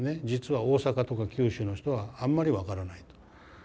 実は大阪とか九州の人はあんまり分からないと。